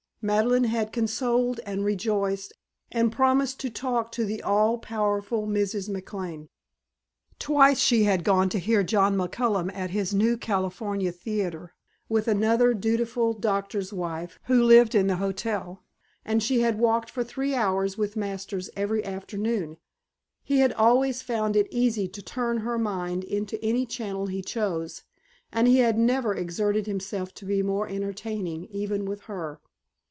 Madeleine had consoled and rejoiced and promised to talk to the all powerful Mrs. McLane. Twice she had gone to hear John McCullough at his new California Theatre, with another dutiful doctor's wife who lived in the hotel, and she had walked for three hours with Masters every afternoon. He had always found it easy to turn her mind into any channel he chose, and he had never exerted himself to be more entertaining even with her.